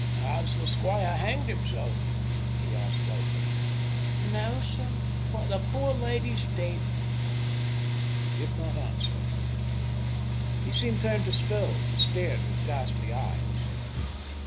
"Has the squire hanged himself?" he asked lightly. "No sir—but the poor lady's dead." He did not answer. He seemed turned to stone. He stared with ghastly eyes.